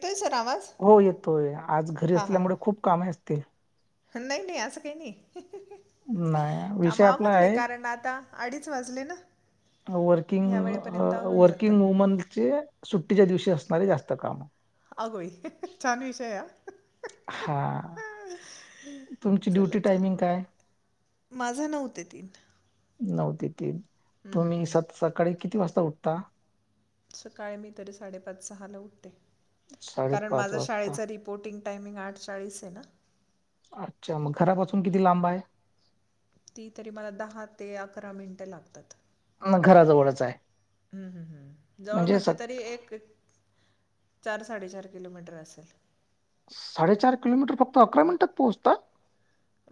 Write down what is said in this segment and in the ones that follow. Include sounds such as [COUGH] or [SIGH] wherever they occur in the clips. ते हो येतोय आज घरी हां असल्यामुळे खूप हां कामे असतील नाही नाही असं काही नाही नाही काम विषय आपला आवरले आहे कारण आता अडीच वाजले ना वर्किंग ह्या वेळेपर्यंत आवरून जातं वर्किंग वुमनचे सुट्टीच्या दिवशी असणारे जास्त काम अंगबाई छान विषय हं हा तुमची चला ड्युटी टायमिंग काय चला माझं नव्हतं तीन नऊ ते तीन हं, हं, तुम्ही हं. स सकाळी किती वाजता उठता सकाळी मी तरी साडेपाच सहाला उठते कारण साडेपाच माझा वाजता शाळेचा रिपोर्टिंग टायमिंग आठ चाळीस आहे ना अच्छा मग घरापासून किती लांब आहे ती तरी मला दहा ते अकरा मिनिटं लागतात न, घराजवळच आहे हम्म हम्म हम्म जवळ म्हणजे तरी एक चार साडेचार किलोमीटर असेल साडेचार किलोमीटर फक्त अकरा मिनिटात पोहोचता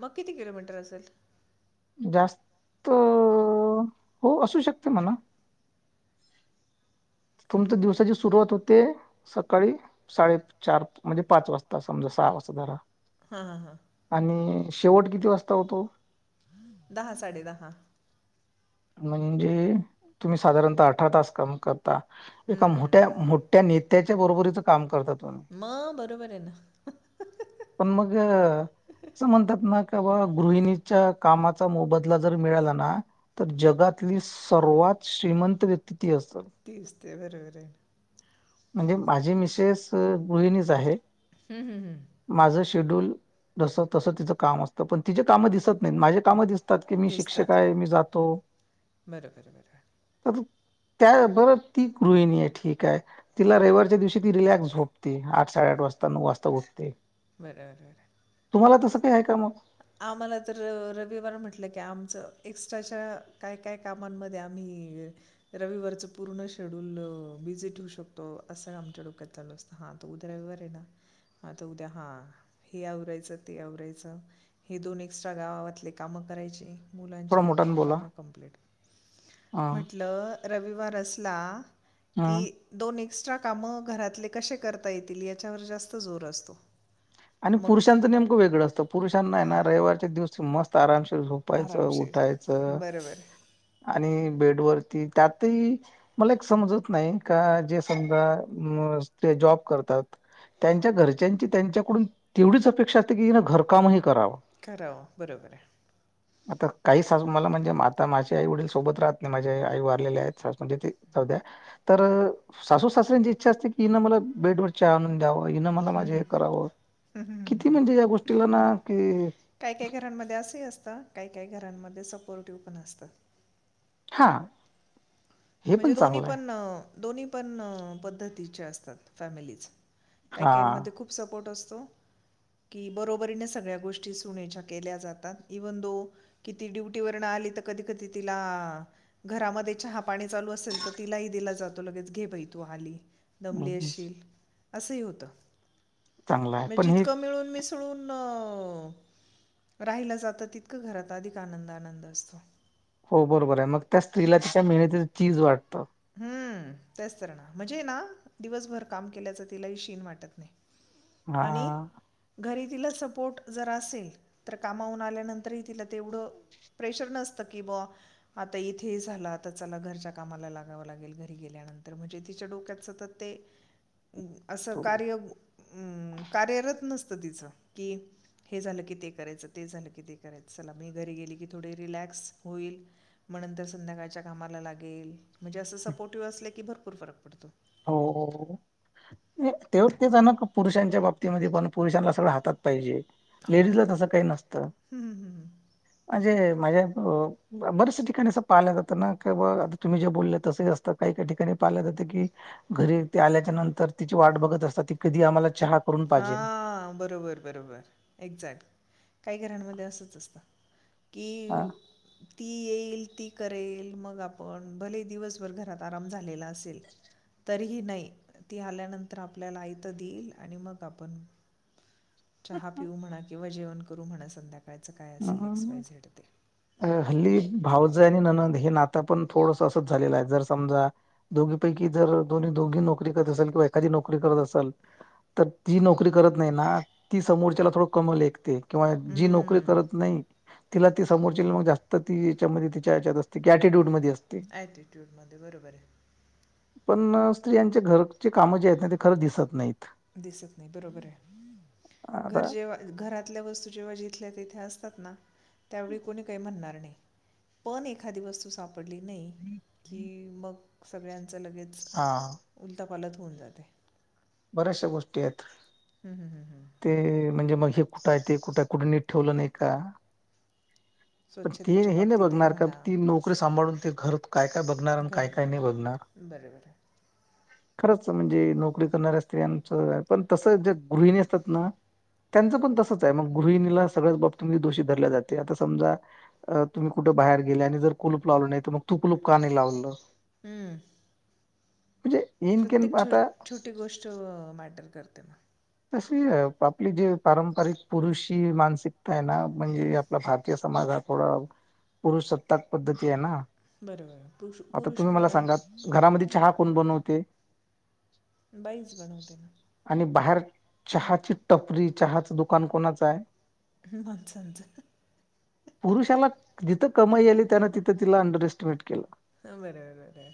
मग किती किलोमीटर असेल होअ हो असू शकतं म्हणा तुमच्या दिवसाची सुरुवात होते सकाळी साडेचार म्हणजे पाच वाजता समजा सहा वाजता धरा हां हां हां आणि शेवट किती वाजता होतो दहा साडे दहा म्हणजे तुम्ही साधारणत अठरा तास काम क रता एका हम्म. मोठ्या मोठ्या नेत्याच्या बरोबरीच काम करता मग बरोबर आहे ना पण मग असं म्हणतात ना तवा गृहिणीच्या कामाचा मोबदला जर मिळाला ना तर जगातली सर्वात श्रीमंत व्यक्ती ती असतात दिसते बरोबर आहे म्हणजे माझी मिसेस गृहिणीच आहे हम्म हम् हम्म का का की मी शिक्षक आहे मी जात बरं बरं बरं अ त्याबरोबर ती गृहिणी आहे ठीक आहे तिला रविवारच्या दिवशी ती रिलॅक्स झोपते आठ साडेआठ वाज वाजता उठते बर बर बर तुम्हाला तसं काही आहे का मग आम्हाला तर रविवार म्हटलं की आमच एक्स्ट्राच्या काय काय कामांमध्ये आम्ही रविवारच पूर्ण शेड्यूल बिझी ठेवू शकतो असं आमच्या डोक्यात चालू असत हा तो उद्या रविवार आहे ना, मग आता उद्या हा हे आवरायचं ते, आवरायचं. हे दोन एक्स्ट्रा गावावातली कामं करायची. मुलांची थोडा ही मोठ्यानं दोन बोला काम कंप्लीट, हा म्हटलं रविवार असला की हा दोन, एक एक्स्ट्रा काम घरातले कसे करता येतील याच्यावर जास्त जोर असतो. आणि मग पुरुषांचं नेमकं वेगळं असतं पुरुषांना हाय ना हां रविवारच्या दिवस मस्त आरामात झोपायचं, आरामशीर उठायचं बरोबर आहे. आणि बेडवर त्यातही मला एक समजत नाही का जे समजा जॉब करतात. त्यांच्या घरच्यांची त्यांच्याकडून तेवढीच अपेक्षा असते की हिन घरकामही कराव. करा बरोबर आहे. आता काही सासु मला म्हणजे, आता माझे आई- वडील सोबत राहत नाही, माझे आई वारलेले आहेत सा म्हणजे ती तर सासू सासऱ्यांची इच्छा असते, की मला बेड वर चहा आणून द्याव. म हीन मला माझे हे करावं. किती? म्हणजे या गोष्टीला ना कि असे असतात काही काही घरांमध्ये सपोर्टिव्ह पण असतात. हा. हे पण म्हणजे दोन्ही चांगलं आहे पण दोन्ही पण पद्धतीचे असतात फॅमिलीज. काही हा काही मध्ये खूप सपोर्ट असतो. की बरोबरीने सगळ्या गोष्टी सुनेच्या केल्या जातात, इव्हन दो किती ड्युटी वरण आली. त कधी कधी तिला घरामध्ये चहा पाणी चालू असेल तर, तिलाही दिला जातो लगेच घे बाई तू आली दमली असशील. अस ही होत चांगलं आहे म पण हे जितकं मिळून मिसळून अं, [INAUDIBLE] राहिलं जातं तितकं घरात अधिक आनंद आनंद असतो. हो, बरोबर आहे मग त्या स्त्रीला त्याच्या मेहतीच चीज वाटतं. हम तेच तर ना म्हणजे ना, दिवसभर काम केल्याच तिलाही शीन वाटत नाही. हा आणि घरी तिला सपोर्ट जर असेल तर कामाहून आल्यानंतरही तिला तेवढं प्रेशर नसत की ब आता इथे झाला, आता चला घरच्या कामाला लागा व लागेल घरी गेल्यानंतर म्हणजे तिच्या डोक्यातच सतय ते असं कार्य कार्यरत नसत. तिचं हे झाल ते करायचं ते झाल की ते करायच, चला मी घरी गेली की थोडी रिलॅक्स होईल मं नतर संध्याकाळच्या कामाला लागेल. म्हणजे असं सपोर्टिव असले की भरपूर फरक पडतो. हो, हो, हो. तेव्हा तेच आहे ना पुरुषांच्या बाबतीमध्ये पण पुरुषांना सगळं हातात पाहिजे. हो लेडीजला तसं काही नसत हम्म, हम्म, हम्म. म्हणजे माझ्या अ बर्याचश्या ठिकाणी असं पाहिला जातं ना कि ब आता तुम्ही जे बोलला तसंही असतं काही-काही ठिकाणी पाहिलं जातं की घरी ते आल्याच्या नंतर तिची वाट बघत असतात ती कधी आम्हाला चहा करून पाहिजे हां बरोबर, बरोबर एक्झॅक्ट. काही घरांमध्ये असंच असतं हा की ती येईल, ती करेल मग आपण भले दिवसभर घरात आराम झालेला असेल. तरीही नाही ती आल्यानंतर आपल्याला आयत देईल आणि मग चहा पिऊ म्हणा किंवा जेवण करू म्हणा संध्याकाळी हम अ हल्ली भावज आणि ननंद हे नातं पण थोडस असंच झाले आहे जर समजा दोघीपैकी जर दोन्ही-दोही दोघी नोकरी करत असल किंवा एखादी नोकरी करत असल तर ती नोकरी करत नाही ना ती समोरच्याला थोडं कम लेकते. किंवा जी नोकरी करत नाही तिला ती समोरची मग जास्त ती हेच्यामध्ये, तिच्याहेच्यात असते अटिट्यूडमध्येध्ये असते. ऑटिट्यूड मध्ये बरोबरे. पण स्त्रियांच्या घरचे कामं जे आहेत ना ते खरं दिसत नाहीत. दिसत नाही बरोबरे घर आता जेव्हा घरातल्या वस्तू जेव्हा ज इथल्या तिथे असतात ना त्यावेळी कोणी काय म्हणणार नाही पण एखादी वस्तू सापड डली नाही की मग सगळ्यांच लगेच हा उल फलत होऊन जाते. बऱ्याचशा गोष्टी आहेत हं, हं, हं, हं. ते म्हणजे म कुठं य ते कुठं कुठे नीट ठेवलं नाही का? पण ते स्वच्छतेच्या हे नाही बाबतीतही बघणार का म्हणा ती नोकरी सांभाळून ते घर काय काय बघणार घर काय काय नाही बघणार बरं बरं खरच म्हणजे नोकरी करणाऱ्या स्त्रियांच पण तस ज्या गृहिणी असतात ना. त्यांचं पण तसंचे मग गृहिणीला सगळच बाबतीमध्ये दोषी धरल्या जाते आता समजा तुम्ही कुठ बाहेर गेले आणि जर कुलूप लावलं नाही त मग तू कुलूप का नाही लावलं? हम्म. म्हणजे इनकेन प्रत्येक छो आता छोटी गोष्ट मॅटर करते मग. तशी आपली जे पारंपरिक पुरुषी मानसिकताये ना. म्हणजे आपला भारतीय समाज हा थोडा पुरुषसत्ताक पद्धतीये ना. बरोबर बरं. पुरुष आता पुरुष तुम्ही मला प्रधान सांगात घरामध्ये चहा कोण बनवते? बाईच बनवते ना. आणि बाहेर चहाची टपरी चहाचं दुकान कोणाचंय? माणसाच. पुरुषाला जिथं कमाई आली त्यान तिथं तिला अंडर एस्टिमेट केलं. हा बरबर, बरबर.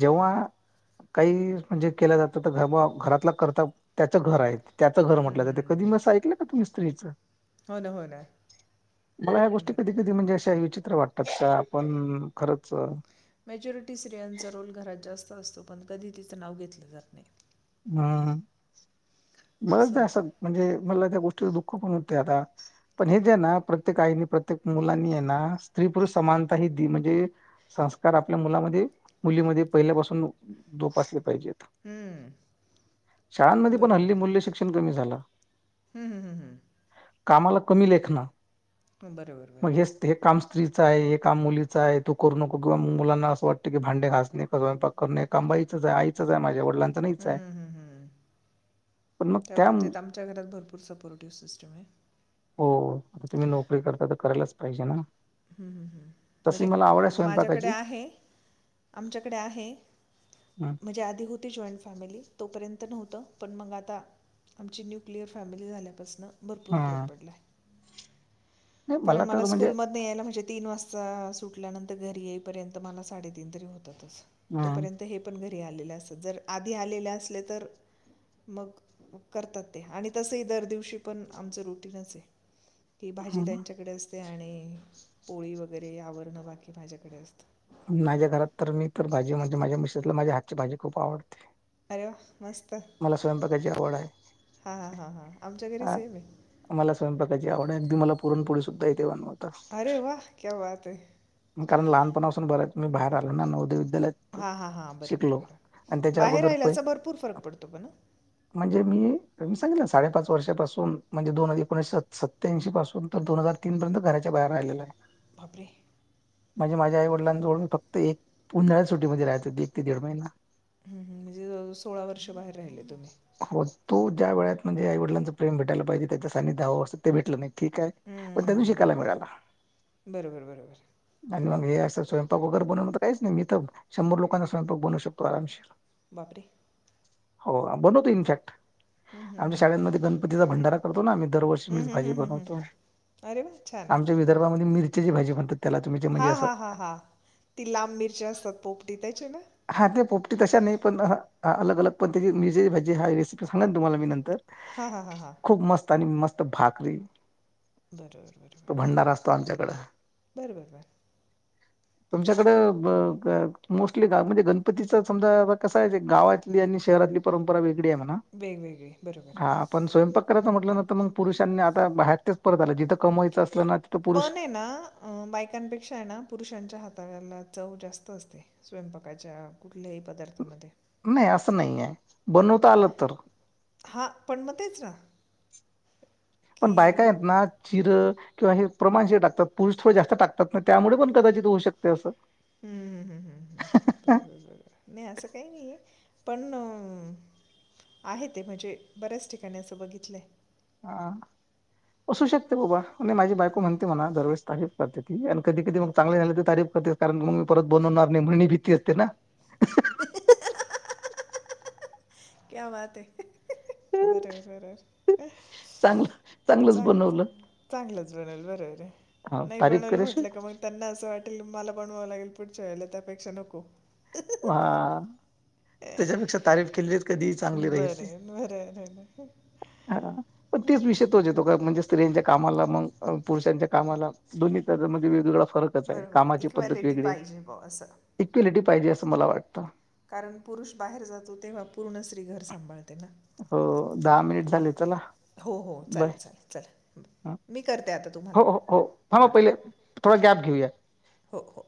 जेव्हा काही म्हणजे केलं जातं तर घर घरातलं करता त्याचं घर आहेत. त्याचं घर म्हटलं जाते कधी हं. मस ऐकलं का तूम्ही स्त्रीचं. हो ना हो ना मला ह्या गोष्टी कधी बरोबर कधी म्हणजे अश विचित्र वाटतात का आपण खरंच, मेज्युरिटी स्त्रियांचा रोल घरात जास्त असतो पण कधी तिचं नाव घेतलं जात नाही. हम्म बरच दा असं म्हणजे. मला त्या गोष्टी दुःख पण होतय, आता पण हे जे ना प्रत्येक आईनी प्रत्येक मुलांनी ना, स्त्री पुरुष समानता म्हणजे संस्कार आपल्या मुलामध्ये मुलीमध्ये पहिल्यापासून जोपसले पाहिजेत. हम्म. शाळांमध्ये पण हल्लीमूल्य शिक्षण कमी झाल. हम्म हम् हम्मम्म. कामाला कमी लेखना. बरोबर बरोबर. स्त्रीचा आहे हे काम मुलीचा आहे, तो करू नको किंवा मुलांना असं, वाटतं की भांडे घासणे स्वयंपाक करणे हे काम बाईचच आहे आईचंच आहे, माझ्या वडिलांचं नाहीचे. त्याबाब ते आमच्या घरात भरपूर सपोर्टिव्ह सिस्टमे. हो आता तुम्ही नोकरी करता, तर करायलाच पाहिजे ना. हम्म हम्म हम् तशी म्हणजे मला आवड आहे माझ्याकडे स्वयंपाकाची आहे. आमच्याकडे आहे हं. म्हणजे आधी होती जॉईंट फॅमिली. तोपर्यंत नव्हतं पण मग आता आमची न्युक्लियर फॅमिली झाल्यापासन. भरपूर हा फरक पडलाय. नाही कारण मला तर म्हणजे स्कूल मध यायला म्हणजे. तीन वाजता सुटल्यानंतर, घरी येईपर्यंत मला साडेतीन तरी होता. तच, अं, तोपर्यंत हे पण घरी आलेलं असत, जर आधी आलेले असले तर मग करतात ते आणि तसही, दर दिवशी पण आमचं रुटीनचे. ती भाजी हं, त्यांच्याकडे असते, आणि पोळी वगैरे आवरणं बाकी माझ्याकडे असतं. माझ्या घरात तर मी तर भाजी म्हणजे माझ्या मिशेसला माझ्या हातची भाजी खूप आवडते. अरे वा! मस्त हा मला स्वयंपाकाची आवड आहे. हा हा हा आम च्या घरी सेम ये. स्वयंपाकायची आवड आहे आणि ती मला पुरण पोळी सुद्धा येथे बनवायला. अरे वाह! क्या बात हे. मी कारण लहानपणासून बऱ्याच मी बाहेर आलो, नवोदय विद्यालयात हां हां हां बरोबर शिकलो. बरोबर आणि त्याच्या बाहेर अगोदर प राहिल्याचा भरपूर फरक पडतो पण हं म्हणजे मी मी सांगेल ना साडेपाच वर्षपासून म्हणजे दोन हजार एकोणीशे सत्याऐंशी पासून त दोन हजार तीन पर्यंत घराच्या बाहेर राहिलेला आहे. बापरे! म्हणजे माझ्या आई वडलांजवळ मी फक्त एक उन्हाळ्याच्या सुटीमध्ये राहायचो एक ते दीड महिना. हम् हम् म्हणजे जवळ जवळ सोळा वर्ष बाहेर राहिले तुम्ही. हो तो ज्या वयात म्हणजे आईवडलांचं प्रेम भेटायला पाहिज त्यांच सानिध्य हव असत ते भेटल नाही. ठीक आहे पण त्यांन शिकायला हं मिळाला. बरोबर बरोबर आणि मग हे असं स्वयंपाक वगैर बनवण, तर काहीच नाही मी तर, शंभर लोकांचा स्वयंपाक बनवू शकतो आरामशीरं. बापरे! हो बनवतो इनफेक्ट. हूं हूं हूं हूं हूं हूं म तीचा भंडारा करतो, ना आम्ही दरवर्षी मीच भाजी हं हं बनवतो. अरे वा छान आमच्या विदर्भामध्ये मिर चिची भाजी बणतात. हा हा हा हा ती लांब मिरची असतात पोपटी ते हा ते पोपटी तशा नाही, पण अलग अलग पण त्याची मिरची भाजी, हा रेसिपी सांगिन तुम्हाला मी नंतर हा हा हा हा. खूप मस्त आणि मस्त भाकरी. बरोबर बरोबर. तो आमच्याकड बर बर बर. तुमच्याकड ब ग मोस्ट ली म्हणजे गणपतीचा समजा कसा हाय, गावातली आणि शहरातली परंपरा वेग गळी आहे म्हणा वेगवेगळी बरोबर हा पण स्वयंपाक कराच म्हटलं ना तर मग पुरुषांनी आता बाहेर तेच परत आल जिथं कमवायचं असलं ना तिथं पुरुष पण ये ना बायकांपेक्षा हाय ना पुरुषांच्या हाताला चव जास्त असते स्वयंपाकाच्या कुठल्याही पदार्थामध्ये अस नाहीये बनवता आलं तर हा पण म तेच ना. पण बायका की आहेत ना चिरं किंवा हे प्रमाण जे टाकतात, पुरुष थोड जास्त टाकतात, ना त्यामुळे पण कदाचित होऊ शकते असं. हम्म हम्म हम्म बर बर नाही असं काही नाहीय. पण, आहे ते म्हणजे बऱ्याच ठिकाणी असं बघितलंय. हा, असू शकते बाबा माझी बायको म्हणते म्हणा दरवेेळेस आहेत करते, ती आणि कधी कधी मग चांगले झाले तर तारीफ करते कारण मग मी परत बनवणार नाही म्हणून ही भीती असते ना. [INAUDIBLE] [UNINTELLIGIBLE] क्या बात हे बरोबर, बरोबर चांगलं चांगलंच बनवलं हाय चांगलंच. बनवल बरोबर हाय, हा नाही तारीफ बनवल करायशी म्हटलं का त्यांना अस वाटेल. बनवाव लागेल पुढच्या वेळेला त्यापेक्षा नको. वा, अं, त्याच्यापेक्षा तारीफ केलेलीच कधी चांगली राहील ती. बरं बरं बरं हा तीच विषय तोच येतो का? म्हणजे स्त्रियांच्या कामाला मग, पुरुषांच्या कामाला दोन्ही त्या म्हणजे वेगवेगळा फरकच आहे बरोबर कामाची पद्धत इक्वॅलिटी वेगळी पाहिजे बुवा असं इक्वेलिटी पाहिजे असं मला वाटतं. कारण पुरुष बाहेर जातो तेव्हा पूर्ण स्त्री घर सांभाळते ना हो दहा मिनिट आप झाले चला. हो हो बाय चालेल चालेल चला. मी करते आता हो तुम्हाला हो हो हां थांबा पहिले थोडा गॅप घेऊया. हो हो.